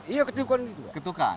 iya ketukan gitu